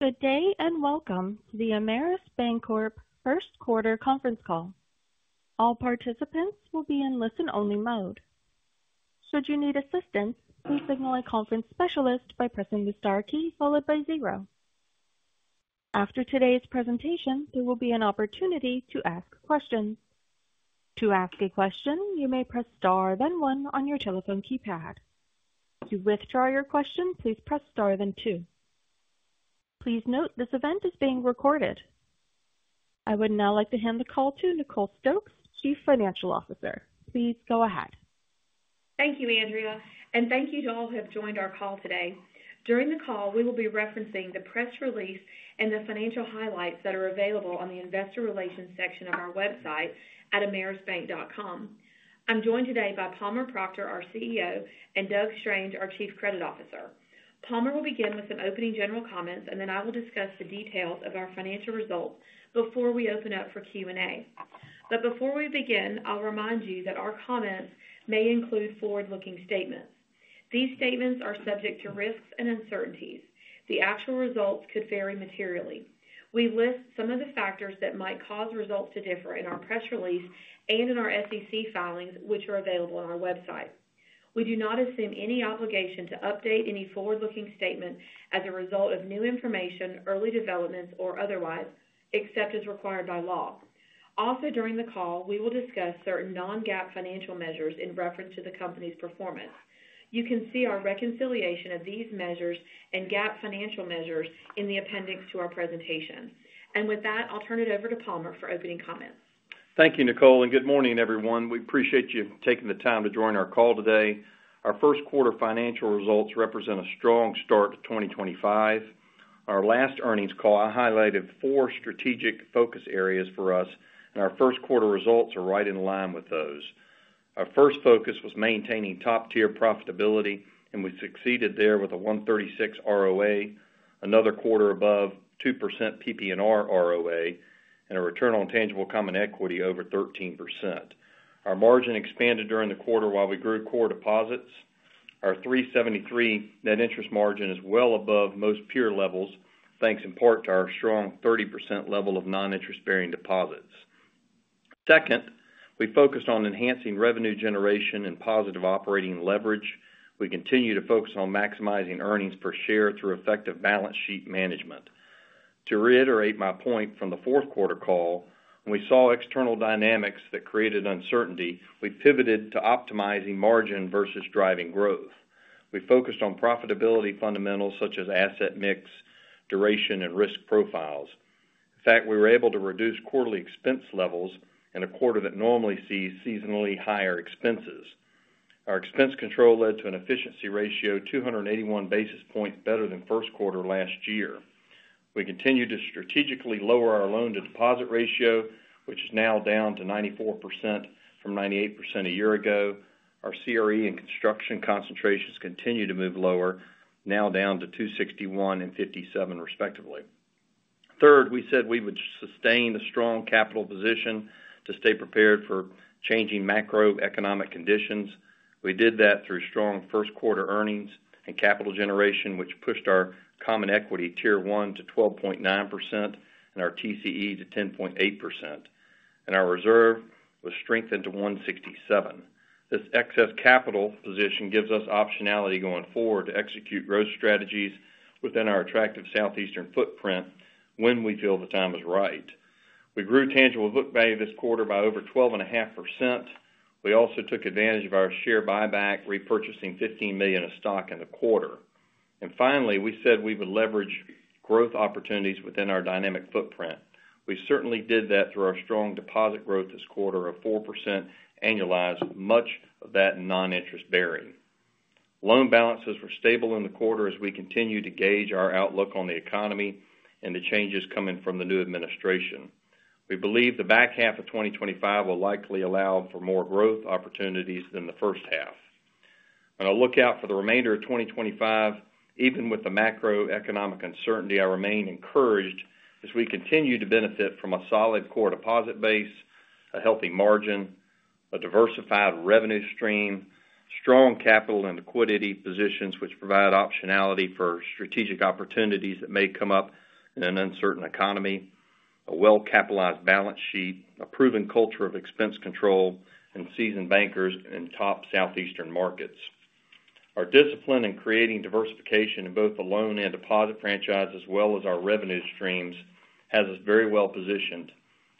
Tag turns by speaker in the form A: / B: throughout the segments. A: Good day and welcome to the Ameris Bancorp first quarter conference call. All participants will be in listen-only mode. Should you need assistance, please signal a conference specialist by pressing the star key followed by zero. After today's presentation, there will be an opportunity to ask questions. To ask a question, you may press star then one on your telephone keypad. To withdraw your question, please press star then two. Please note this event is being recorded. I would now like to hand the call to Nicole Stokes, Chief Financial Officer. Please go ahead.
B: Thank you, Andrea. Thank you to all who have joined our call today. During the call, we will be referencing the press release and the financial highlights that are available on the investor relations section of our website at amerisbank.com. I'm joined today by Palmer Proctor, our CEO, and Doug Strange, our Chief Credit Officer. Palmer will begin with some opening general comments, and then I will discuss the details of our financial results before we open up for Q&A. Before we begin, I'll remind you that our comments may include forward-looking statements. These statements are subject to risks and uncertainties. The actual results could vary materially. We list some of the factors that might cause results to differ in our press release and in our SEC filings, which are available on our website. We do not assume any obligation to update any forward-looking statement as a result of new information, early developments, or otherwise, except as required by law. Also, during the call, we will discuss certain non-GAAP financial measures in reference to the company's performance. You can see our reconciliation of these measures and GAAP financial measures in the appendix to our presentation. With that, I'll turn it over to Palmer for opening comments.
C: Thank you, Nicole, and good morning, everyone. We appreciate you taking the time to join our call today. Our first quarter financial results represent a strong start to 2025. On our last earnings call, I highlighted four strategic focus areas for us, and our first quarter results are right in line with those. Our first focus was maintaining top-tier profitability, and we succeeded there with a 1.36% ROA, another quarter above 2% PPNR ROA, and a return on tangible common equity over 13%. Our margin expanded during the quarter while we grew core deposits. Our 3.73% net interest margin is well above most peer levels, thanks in part to our strong 30% level of non-interest-bearing deposits. Second, we focused on enhancing revenue generation and positive operating leverage. We continue to focus on maximizing earnings per share through effective balance sheet management. To reiterate my point from the fourth quarter call, when we saw external dynamics that created uncertainty, we pivoted to optimizing margin versus driving growth. We focused on profitability fundamentals such as asset mix, duration, and risk profiles. In fact, we were able to reduce quarterly expense levels in a quarter that normally sees seasonally higher expenses. Our expense control led to an efficiency ratio of 281 basis points better than first quarter last year. We continue to strategically lower our loan-to-deposit ratio, which is now down to 94% from 98% a year ago. Our CRE and construction concentrations continue to move lower, now down to 261 and 57, respectively. Third, we said we would sustain a strong capital position to stay prepared for changing macroeconomic conditions. We did that through strong first quarter earnings and capital generation, which pushed our common equity Tier 1 to 12.9% and our TCE to 10.8%. Our reserve was strengthened to 167. This excess capital position gives us optionality going forward to execute growth strategies within our attractive southeastern footprint when we feel the time is right. We grew tangible book value this quarter by over 12.5%. We also took advantage of our share buyback, repurchasing $15 million of stock in the quarter. Finally, we said we would leverage growth opportunities within our dynamic footprint. We certainly did that through our strong deposit growth this quarter of 4% annualized, much of that non-interest bearing. Loan balances were stable in the quarter as we continue to gauge our outlook on the economy and the changes coming from the new administration. We believe the back half of 2025 will likely allow for more growth opportunities than the first half. On a lookout for the remainder of 2025, even with the macroeconomic uncertainty, I remain encouraged as we continue to benefit from a solid core deposit base, a healthy margin, a diversified revenue stream, strong capital and liquidity positions, which provide optionality for strategic opportunities that may come up in an uncertain economy, a well-capitalized balance sheet, a proven culture of expense control, and seasoned bankers in top Southeast markets. Our discipline in creating diversification in both the loan and deposit franchise, as well as our revenue streams, has us very well positioned.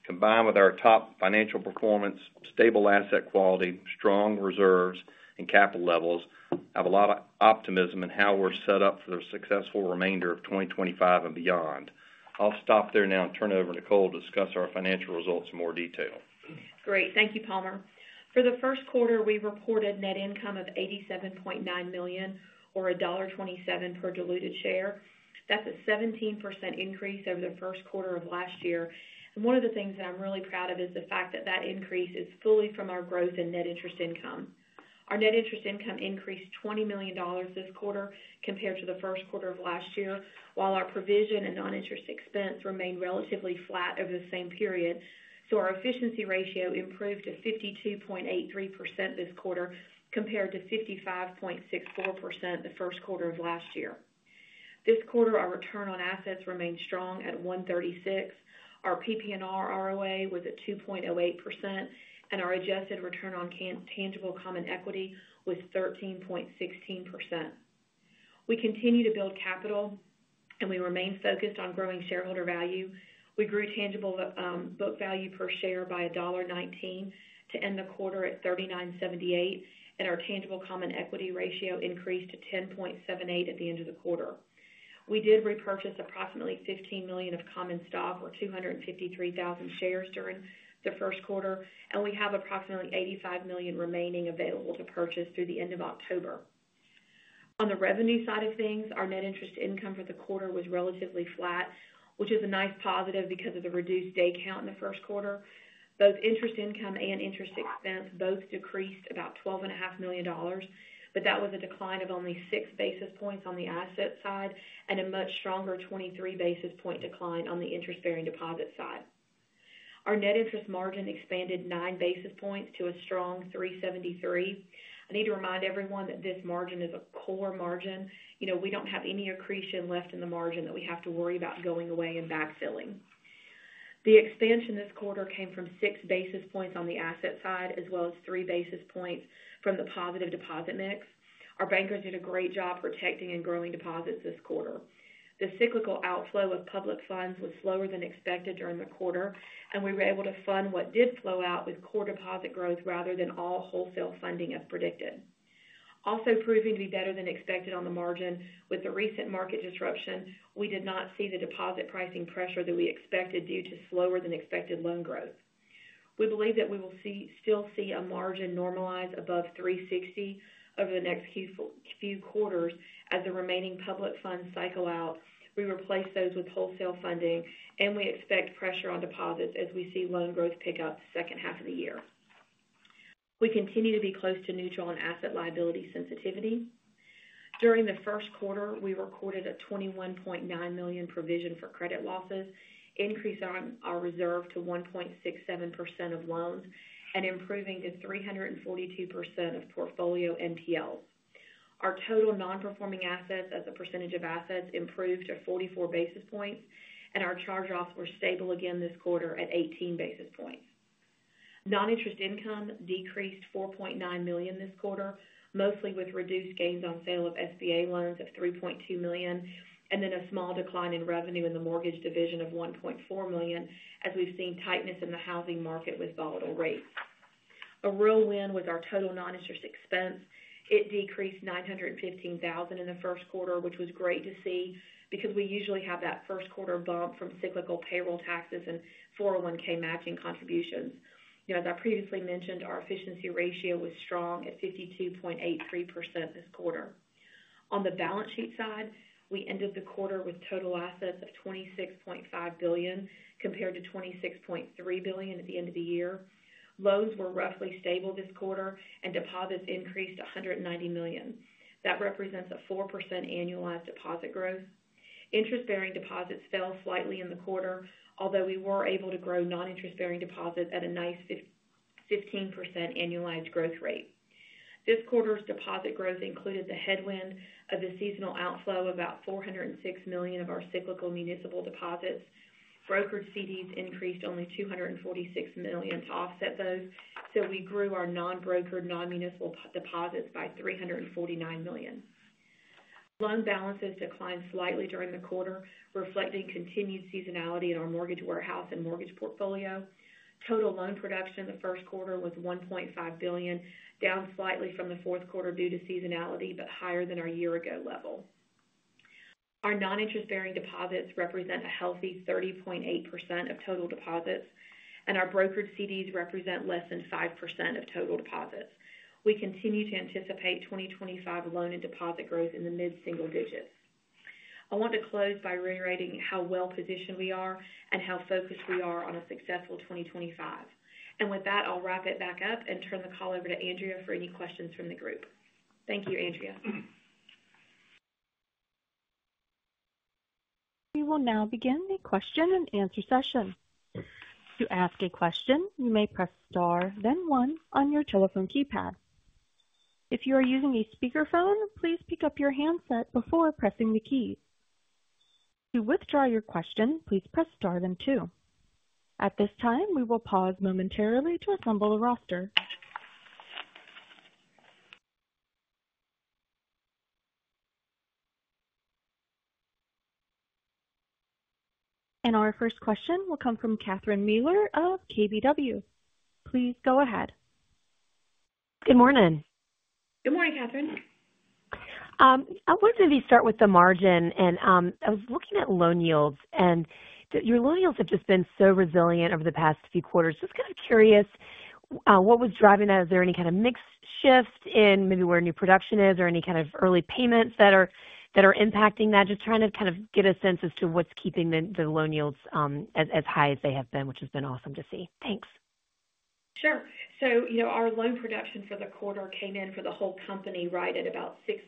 C: Combined with our top financial performance, stable asset quality, strong reserves, and capital levels, I have a lot of optimism in how we're set up for the successful remainder of 2025 and beyond. I'll stop there now and turn it over to Nicole to discuss our financial results in more detail.
B: Great. Thank you, Palmer. For the first quarter, we reported net income of $87.9 million or $1.27 per diluted share. That's a 17% increase over the first quarter of last year. One of the things that I'm really proud of is the fact that that increase is fully from our growth in net interest income. Our net interest income increased $20 million this quarter compared to the first quarter of last year, while our provision and non-interest expense remained relatively flat over the same period. Our efficiency ratio improved to 52.83% this quarter compared to 55.64% the first quarter of last year. This quarter, our return on assets remained strong at 1.36%. Our PPNR ROA was at 2.08%, and our adjusted return on tangible common equity was 13.16%. We continue to build capital, and we remain focused on growing shareholder value. We grew tangible book value per share by $1.19 to end the quarter at $39.78, and our tangible common equity ratio increased to 10.78% at the end of the quarter. We did repurchase approximately $15 million of common stock or 253,000 shares during the first quarter, and we have approximately $85 million remaining available to purchase through the end of October. On the revenue side of things, our net interest income for the quarter was relatively flat, which is a nice positive because of the reduced day count in the first quarter. Both interest income and interest expense both decreased about $12.5 million, but that was a decline of only six basis points on the asset side and a much stronger 23 basis point decline on the interest-bearing deposit side. Our net interest margin expanded nine basis points to a strong 3.73%. I need to remind everyone that this margin is a core margin. We don't have any accretion left in the margin that we have to worry about going away and backfilling. The expansion this quarter came from six basis points on the asset side, as well as three basis points from the positive deposit mix. Our bankers did a great job protecting and growing deposits this quarter. The cyclical outflow of public funds was slower than expected during the quarter, and we were able to fund what did flow out with core deposit growth rather than all wholesale funding as predicted. Also proving to be better than expected on the margin with the recent market disruption, we did not see the deposit pricing pressure that we expected due to slower than expected loan growth. We believe that we will still see a margin normalize above 360 over the next few quarters as the remaining public funds cycle out. We replace those with wholesale funding, and we expect pressure on deposits as we see loan growth pick up the second half of the year. We continue to be close to neutral on asset liability sensitivity. During the first quarter, we recorded a $21.9 million provision for credit losses, increasing our reserve to 1.67% of loans and improving to 342% of portfolio NPLs. Our total non-performing assets as a percentage of assets improved to 44 basis points, and our charge-offs were stable again this quarter at 18 basis points. Non-interest income decreased $4.9 million this quarter, mostly with reduced gains on sale of SBA loans of $3.2 million, and then a small decline in revenue in the mortgage division of $1.4 million as we've seen tightness in the housing market with volatile rates. A real win was our total non-interest expense. It decreased $915,000 in the first quarter, which was great to see because we usually have that first quarter bump from cyclical payroll taxes and 401(k) matching contributions. As I previously mentioned, our efficiency ratio was strong at 52.83% this quarter. On the balance sheet side, we ended the quarter with total assets of $26.5 billion compared to $26.3 billion at the end of the year. Loans were roughly stable this quarter, and deposits increased to $190 million. That represents a 4% annualized deposit growth. Interest-bearing deposits fell slightly in the quarter, although we were able to grow non-interest-bearing deposits at a nice 15% annualized growth rate. This quarter's deposit growth included the headwind of the seasonal outflow of about $406 million of our cyclical municipal deposits. Brokered CDs increased only $246 million to offset those, so we grew our non-brokered non-municipal deposits by $349 million. Loan balances declined slightly during the quarter, reflecting continued seasonality in our mortgage warehouse and mortgage portfolio. Total loan production in the first quarter was $1.5 billion, down slightly from the fourth quarter due to seasonality but higher than our year-ago level. Our non-interest-bearing deposits represent a healthy 30.8% of total deposits, and our brokered CDs represent less than 5% of total deposits. We continue to anticipate 2025 loan and deposit growth in the mid-single digits. I want to close by reiterating how well-positioned we are and how focused we are on a successful 2025. With that, I'll wrap it back up and turn the call over to Andrea for any questions from the group. Thank you, Andrea.
A: We will now begin the question-and-answer session. To ask a question, you may press star, then one, on your telephone keypad. If you are using a speakerphone, please pick up your handset before pressing the key. To withdraw your question, please press star, then two. At this time, we will pause momentarily to assemble the roster. Our first question will come from Catherine Mealor of KBW. Please go ahead.
D: Good morning.
B: Good morning, Catherine.
D: I wanted to start with the margin, and I was looking at loan yields, and your loan yields have just been so resilient over the past few quarters. Just kind of curious what was driving that. Is there any kind of mixed shift in maybe where new production is or any kind of early payments that are impacting that? Just trying to kind of get a sense as to what's keeping the loan yields as high as they have been, which has been awesome to see. Thanks.
B: Sure. Our loan production for the quarter came in for the whole company right at about 6.86%.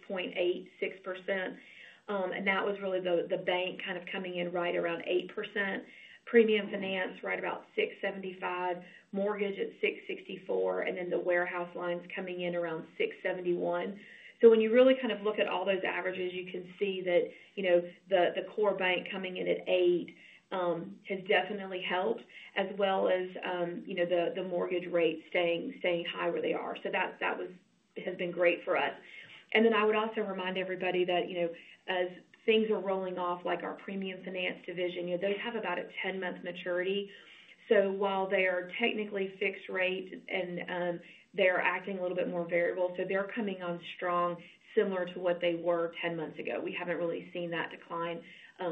B: That was really the bank kind of coming in right around 8%, premium finance right about 6.75%, mortgage at 6.64%, and then the warehouse lines coming in around 6.71%. When you really kind of look at all those averages, you can see that the core bank coming in at 8% has definitely helped, as well as the mortgage rates staying high where they are. That has been great for us. I would also remind everybody that as things are rolling off, like our premium finance division, those have about a 10-month maturity. While they are technically fixed rate, they are acting a little bit more variable, so they're coming on strong, similar to what they were 10 months ago. We haven't really seen that decline,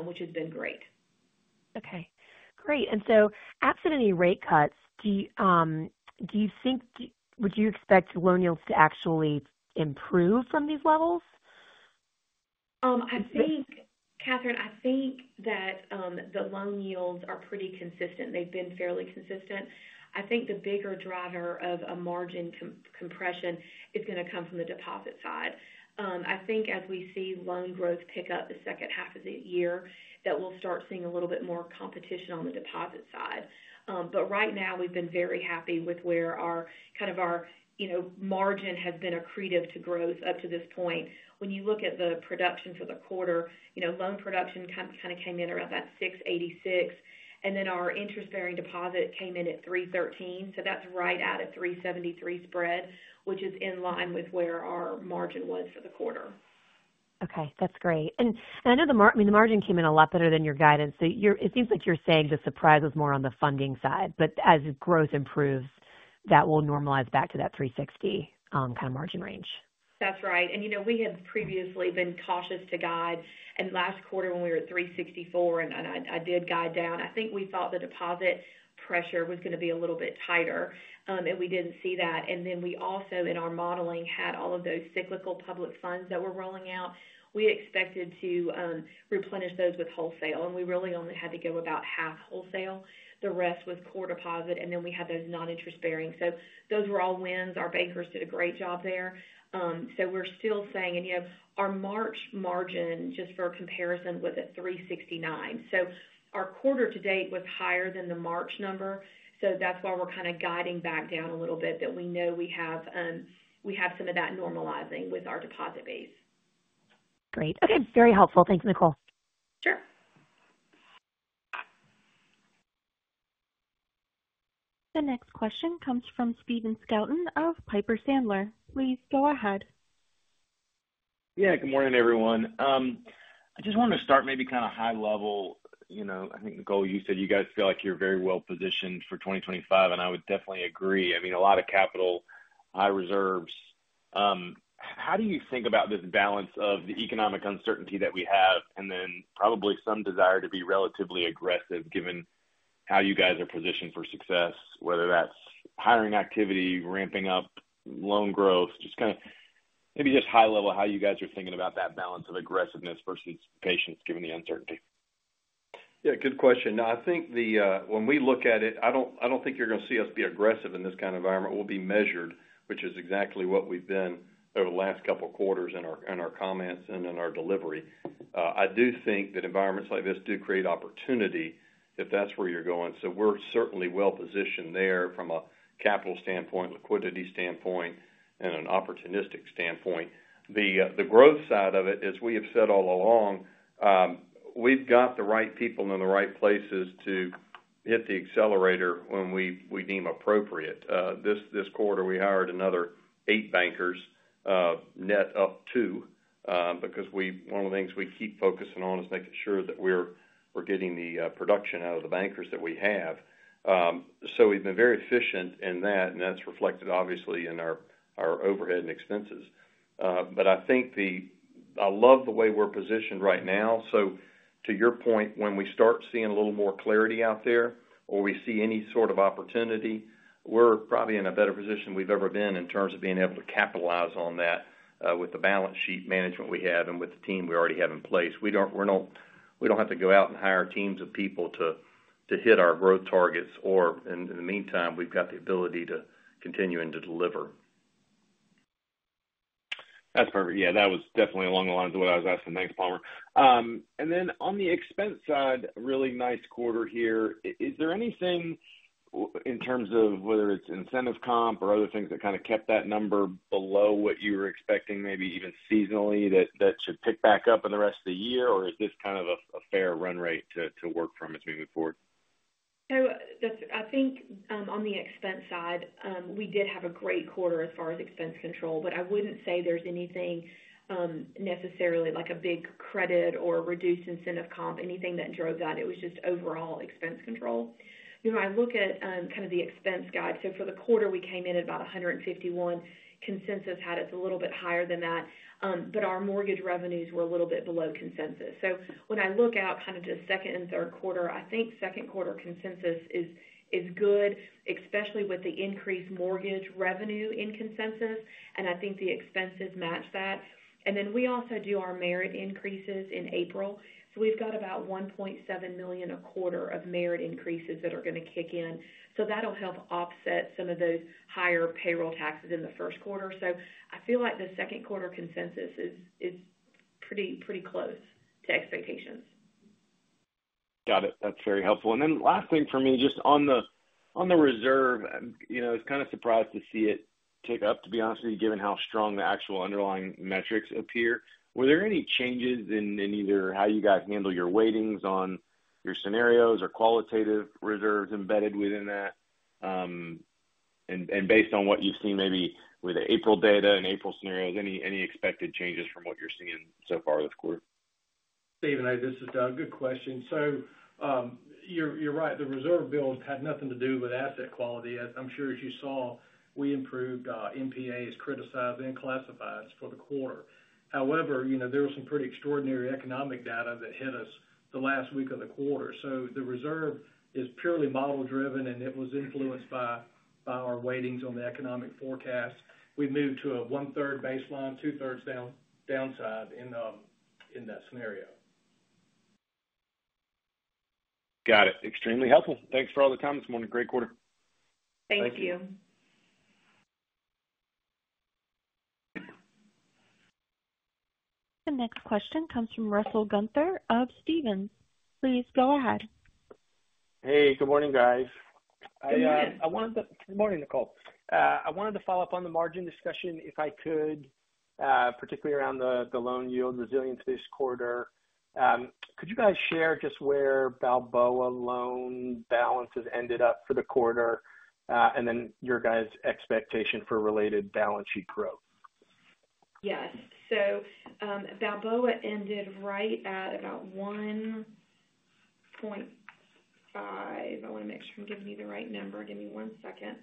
B: which has been great.
D: Okay. Great. Absent any rate cuts, would you expect loan yields to actually improve from these levels?
B: I think, Catherine, I think that the loan yields are pretty consistent. They've been fairly consistent. I think the bigger driver of a margin compression is going to come from the deposit side. I think as we see loan growth pick up the second half of the year, that we'll start seeing a little bit more competition on the deposit side. Right now, we've been very happy with where kind of our margin has been accretive to growth up to this point. When you look at the production for the quarter, loan production kind of came in around that 6.86%, and then our interest-bearing deposit came in at 3.13%. That's right out of 3.73% spread, which is in line with where our margin was for the quarter.
D: Okay. That's great. I know the margin came in a lot better than your guidance. It seems like you're saying the surprise was more on the funding side, but as growth improves, that will normalize back to that 360 kind of margin range.
B: That's right. We had previously been cautious to guide. Last quarter, when we were at 364, I did guide down. I think we thought the deposit pressure was going to be a little bit tighter, and we did not see that. In our modeling, we had all of those cyclical public funds that were rolling out. We expected to replenish those with wholesale, and we really only had to go about half wholesale. The rest was core deposit, and we had those non-interest-bearing. Those were all wins. Our bankers did a great job there. We are still saying, and our March margin, just for comparison, was at 369. Our quarter to date was higher than the March number, so that's why we're kind of guiding back down a little bit that we know we have some of that normalizing with our deposit base.
D: Great. Okay. Very helpful. Thanks, Nicole.
B: Sure.
A: The next question comes from Stephen Scouten of Piper Sandler. Please go ahead.
E: Yeah. Good morning, everyone. I just wanted to start maybe kind of high level. I think, Nicole, you said you guys feel like you're very well-positioned for 2025, and I would definitely agree. I mean, a lot of capital, high reserves. How do you think about this balance of the economic uncertainty that we have and then probably some desire to be relatively aggressive given how you guys are positioned for success, whether that's hiring activity, ramping up loan growth, just kind of maybe just high level how you guys are thinking about that balance of aggressiveness versus patience given the uncertainty?
C: Yeah. Good question. I think when we look at it, I don't think you're going to see us be aggressive in this kind of environment. We'll be measured, which is exactly what we've been over the last couple of quarters in our comments and in our delivery. I do think that environments like this do create opportunity if that's where you're going. We're certainly well-positioned there from a capital standpoint, liquidity standpoint, and an opportunistic standpoint. The growth side of it, as we have said all along, we've got the right people in the right places to hit the accelerator when we deem appropriate. This quarter, we hired another eight bankers, net up two, because one of the things we keep focusing on is making sure that we're getting the production out of the bankers that we have. We have been very efficient in that, and that is reflected, obviously, in our overhead and expenses. I think I love the way we are positioned right now. To your point, when we start seeing a little more clarity out there or we see any sort of opportunity, we are probably in a better position than we have ever been in terms of being able to capitalize on that with the balance sheet management we have and with the team we already have in place. We do not have to go out and hire teams of people to hit our growth targets or, in the meantime, we have the ability to continue and to deliver.
E: That's perfect. Yeah. That was definitely along the lines of what I was asking, thanks, Palmer. On the expense side, really nice quarter here. Is there anything in terms of whether it's incentive comp or other things that kind of kept that number below what you were expecting, maybe even seasonally, that should pick back up in the rest of the year, or is this kind of a fair run rate to work from as we move forward?
B: I think on the expense side, we did have a great quarter as far as expense control, but I would not say there is anything necessarily like a big credit or reduced incentive comp, anything that drove that. It was just overall expense control. When I look at kind of the expense guide, for the quarter, we came in at about $151 million. Consensus had us a little bit higher than that, but our mortgage revenues were a little bit below consensus. When I look out kind of to second and third quarter, I think second quarter consensus is good, especially with the increased mortgage revenue in consensus, and I think the expenses match that. We also do our merit increases in April. We have about $1.7 million a quarter of merit increases that are going to kick in. That'll help offset some of those higher payroll taxes in the first quarter. I feel like the second quarter consensus is pretty close to expectations.
E: Got it. That's very helpful. Last thing for me, just on the reserve, I was kind of surprised to see it tick up, to be honest with you, given how strong the actual underlying metrics appear. Were there any changes in either how you guys handle your weightings on your scenarios or qualitative reserves embedded within that? Based on what you've seen maybe with April data and April scenarios, any expected changes from what you're seeing so far this quarter?
F: Stephen, this is Doug. Good question. You're right. The reserve bills had nothing to do with asset quality. As I'm sure you saw, we improved NPAs, criticized, and classifieds for the quarter. However, there was some pretty extraordinary economic data that hit us the last week of the quarter. The reserve is purely model-driven, and it was influenced by our weightings on the economic forecast. We moved to a one-third baseline, two-thirds downside in that scenario.
E: Got it. Extremely helpful. Thanks for all the comments this morning. Great quarter.
B: Thank you.
A: The next question comes from Russell Gunther of Stephens. Please go ahead.
G: Hey. Good morning, guys.
C: Good morning.
G: Good morning, Nicole. I wanted to follow up on the margin discussion if I could, particularly around the loan yield resilience this quarter. Could you guys share just where Balboa loan balances ended up for the quarter and then your guys' expectation for related balance sheet growth?
B: Yes. Balboa ended right at about 1.5. I want to make sure I'm giving you the right number. Give me one second.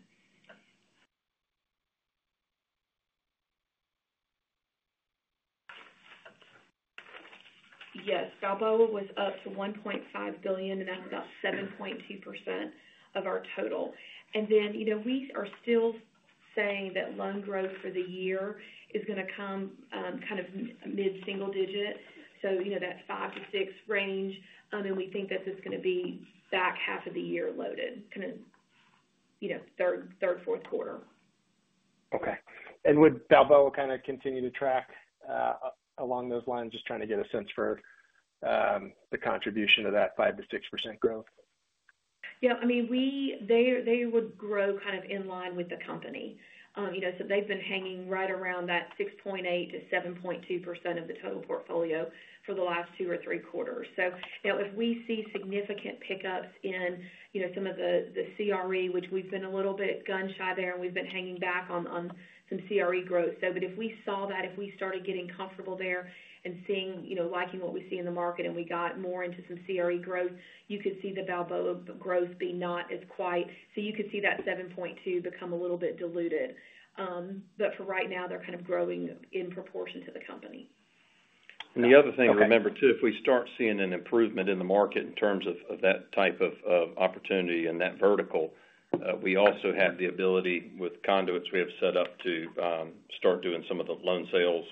B: Yes. Balboa was up to $1.5 billion, and that's about 7.2% of our total. We are still saying that loan growth for the year is going to come kind of mid-single digit, so that 5-6% range, and we think that's just going to be back half of the year loaded, kind of third, fourth quarter.
G: Okay. Would Balboa kind of continue to track along those lines, just trying to get a sense for the contribution of that 5%-6% growth?
B: Yeah. I mean, they would grow kind of in line with the company. They've been hanging right around that 6.8%-7.2% of the total portfolio for the last two or three quarters. If we see significant pickups in some of the CRE, which we've been a little bit gun shy there, and we've been hanging back on some CRE growth. If we saw that, if we started getting comfortable there and liking what we see in the market, and we got more into some CRE growth, you could see the Balboa growth be not as quite. You could see that 7.2% become a little bit diluted. For right now, they're kind of growing in proportion to the company.
C: The other thing to remember too, if we start seeing an improvement in the market in terms of that type of opportunity in that vertical, we also have the ability with conduits we have set up to start doing some of the loan sales.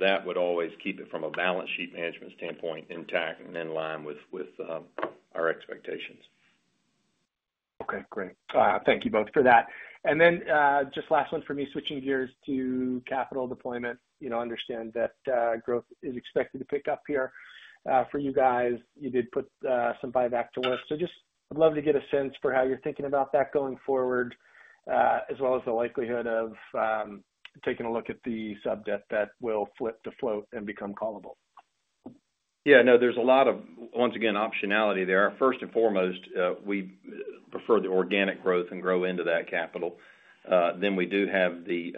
C: That would always keep it from a balance sheet management standpoint intact and in line with our expectations.
G: Okay. Great. Thank you both for that. Then just last one for me, switching gears to capital deployment. Understand that growth is expected to pick up here for you guys. You did put some buyback to work. I’d love to get a sense for how you’re thinking about that going forward, as well as the likelihood of taking a look at the sub-debt that will flip to float and become callable.
C: Yeah. No, there's a lot of, once again, optionality there. First and foremost, we prefer the organic growth and grow into that capital. We do have the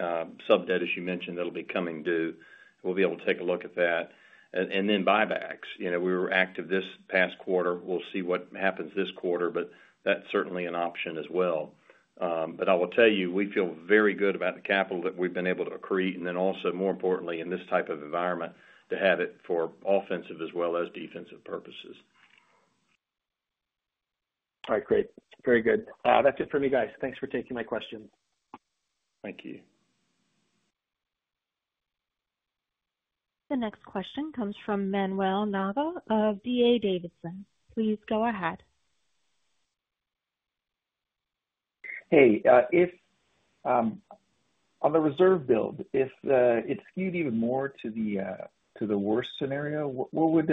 C: sub-debt, as you mentioned, that'll be coming due. We'll be able to take a look at that. Buybacks, we were active this past quarter. We'll see what happens this quarter, but that's certainly an option as well. I will tell you, we feel very good about the capital that we've been able to accrete and then also, more importantly, in this type of environment, to have it for offensive as well as defensive purposes.
G: All right. Great. Very good. That's it for me, guys. Thanks for taking my questions.
C: Thank you.
A: The next question comes from Manuel Navas of D.A. Davidson. Please go ahead.
H: Hey. On the reserve build, if it skewed even more to the worst scenario, what would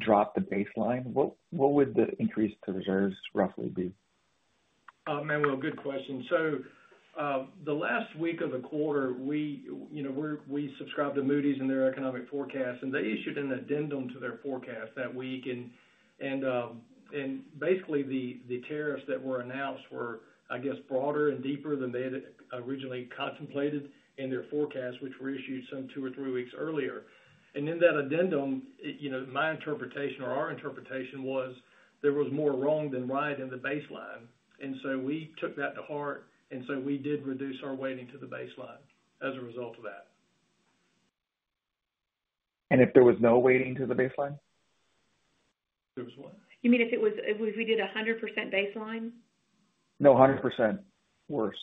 H: drop the baseline? What would the increase to reserves roughly be?
F: Manuel, good question. The last week of the quarter, we subscribed to Moody's and their economic forecast, and they issued an addendum to their forecast that week. Basically, the tariffs that were announced were, I guess, broader and deeper than they had originally contemplated in their forecast, which were issued some two or three weeks earlier. In that addendum, my interpretation or our interpretation was there was more wrong than right in the baseline. We took that to heart, and we did reduce our weighting to the baseline as a result of that.
H: If there was no weighting to the baseline?
F: There was what?
B: You mean if we did 100% baseline?
H: No, 100% worse.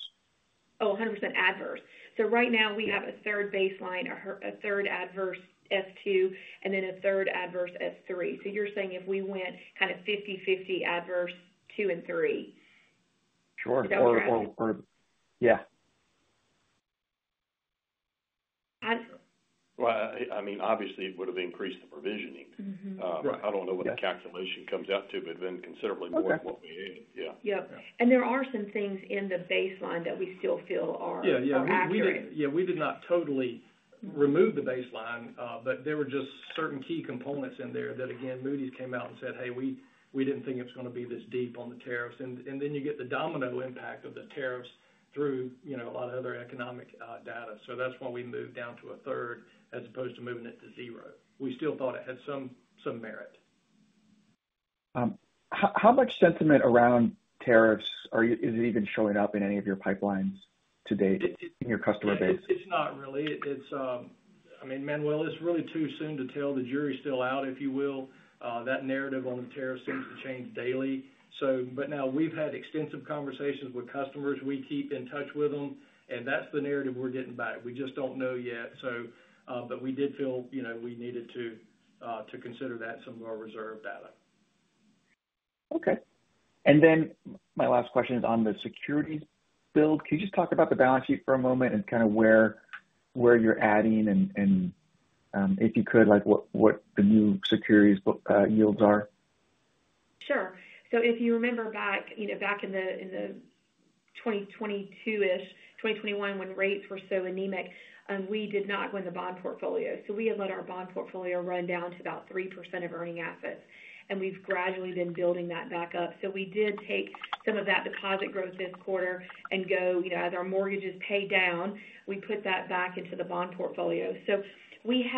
B: Oh, 100% adverse. Right now, we have a third baseline, a third adverse S2, and a third adverse S3. You're saying if we went kind of 50/50 adverse two and three?
G: Sure. Yeah.
C: I mean, obviously, it would have increased the provisioning. I do not know what the calculation comes out to, but it would have been considerably more than what we had. Yeah.
B: Yep. There are some things in the baseline that we still feel are accurate.
F: Yeah. Yeah. We did not totally remove the baseline, but there were just certain key components in there that, again, Moody's came out and said, "Hey, we didn't think it was going to be this deep on the tariffs." You get the domino impact of the tariffs through a lot of other economic data. That is why we moved down to a third as opposed to moving it to zero. We still thought it had some merit.
H: How much sentiment around tariffs is it even showing up in any of your pipelines to date in your customer base?
F: It's not really. I mean, Manuel, it's really too soon to tell. The jury's still out, if you will. That narrative on the tariffs seems to change daily. Now, we've had extensive conversations with customers. We keep in touch with them, and that's the narrative we're getting back. We just don't know yet. We did feel we needed to consider that in some of our reserve data.
H: Okay. My last question is on the securities build. Can you just talk about the balance sheet for a moment and kind of where you're adding and, if you could, what the new securities yields are?
B: Sure. If you remember back in the 2022-ish, 2021, when rates were so anemic, we did not run the bond portfolio. We had let our bond portfolio run down to about 3% of earning assets, and we've gradually been building that back up. We did take some of that deposit growth this quarter and, as our mortgages pay down, we put that back into the bond portfolio. We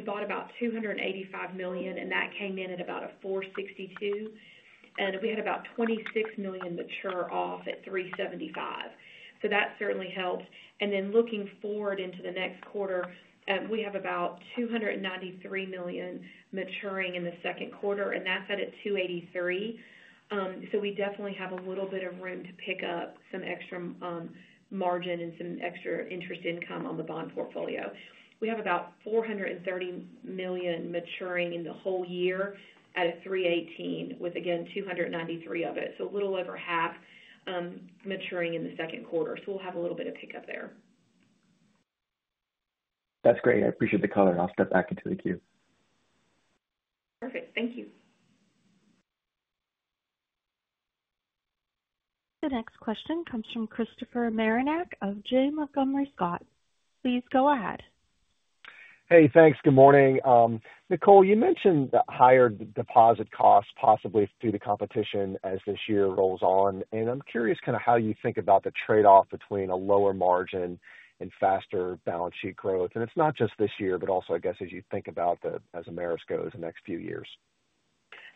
B: bought about $285 million, and that came in at about a 4.62. We had about $26 million mature off at 3.75. That certainly helped. Looking forward into the next quarter, we have about $293 million maturing in the second quarter, and that's at a 2.83. We definitely have a little bit of room to pick up some extra margin and some extra interest income on the bond portfolio. We have about $430 million maturing in the whole year at a 318, with, again, $293 million of it. So a little over half maturing in the second quarter. So we'll have a little bit of pickup there.
H: That's great. I appreciate the color. I'll step back into the queue.
B: Perfect. Thank you.
A: The next question comes from Christopher Marinac of Janney Montgomery Scott. Please go ahead.
I: Hey. Thanks. Good morning. Nicole, you mentioned the higher deposit costs, possibly through the competition as this year rolls on. I'm curious kind of how you think about the trade-off between a lower margin and faster balance sheet growth. It's not just this year, but also, I guess, as you think about as Ameris goes the next few years.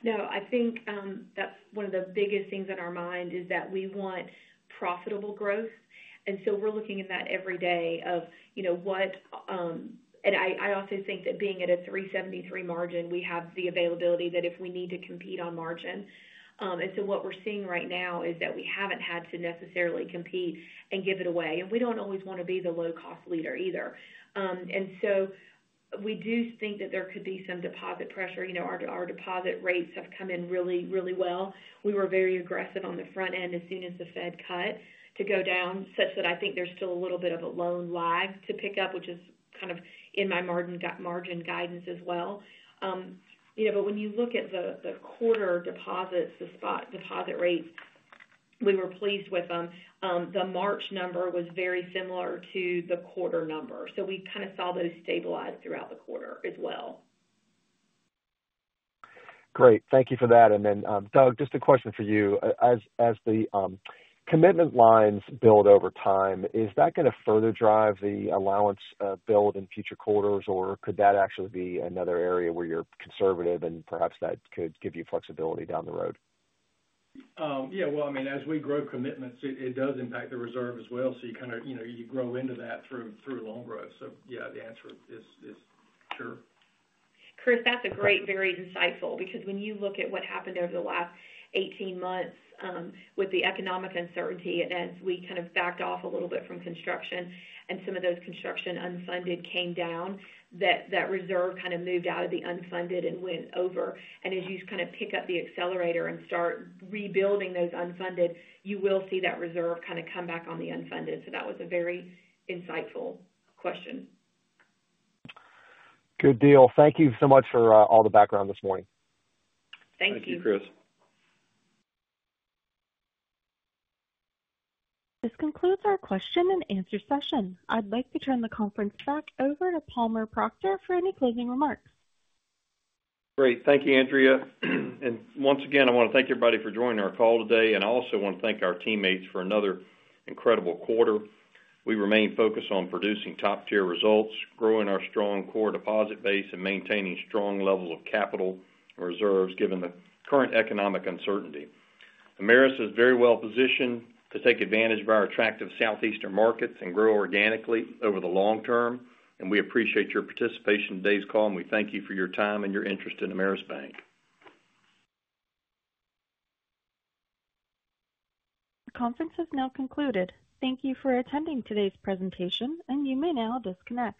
B: No, I think that's one of the biggest things on our mind is that we want profitable growth. We are looking at that every day of what, and I also think that being at a 3.73% margin, we have the availability that if we need to compete on margin. What we are seeing right now is that we haven't had to necessarily compete and give it away. We don't always want to be the low-cost leader either. We do think that there could be some deposit pressure. Our deposit rates have come in really, really well. We were very aggressive on the front end as soon as the Fed cut to go down, such that I think there's still a little bit of a loan lag to pick up, which is kind of in my margin guidance as well. When you look at the quarter deposits, the spot deposit rates, we were pleased with them. The March number was very similar to the quarter number. We kind of saw those stabilize throughout the quarter as well.
I: Great. Thank you for that. Doug, just a question for you. As the commitment lines build over time, is that going to further drive the allowance build in future quarters, or could that actually be another area where you're conservative, and perhaps that could give you flexibility down the road?
F: Yeah. I mean, as we grow commitments, it does impact the reserve as well. You kind of grow into that through loan growth. Yeah, the answer is sure.
B: Chris, that's great, very insightful because when you look at what happened over the last 18 months with the economic uncertainty and as we kind of backed off a little bit from construction and some of those construction unfunded came down, that reserve kind of moved out of the unfunded and went over. As you kind of pick up the accelerator and start rebuilding those unfunded, you will see that reserve kind of come back on the unfunded. That was a very insightful question.
I: Good deal. Thank you so much for all the background this morning.
B: Thank you.
C: Thank you, Chris.
A: This concludes our question and answer session. I'd like to turn the conference back over to Palmer Proctor for any closing remarks.
C: Great. Thank you, Andrea. Once again, I want to thank everybody for joining our call today. I also want to thank our teammates for another incredible quarter. We remain focused on producing top-tier results, growing our strong core deposit base, and maintaining strong levels of capital and reserves given the current economic uncertainty. Ameris is very well positioned to take advantage of our attractive southeastern markets and grow organically over the long term. We appreciate your participation in today's call, and we thank you for your time and your interest in Ameris Bank.
A: The conference has now concluded. Thank you for attending today's presentation, and you may now disconnect.